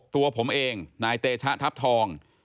ตัวผมเองนายเตชะทัพทอง